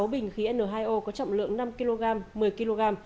một trăm ba mươi sáu bình khí n hai o có trọng lượng năm kg một mươi kg